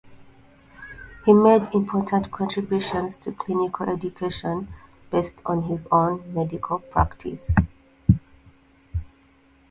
He made important contributions to clinical education, based on his own medical practice.